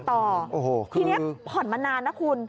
ทีนี้ผ่อนมานานนะคุณ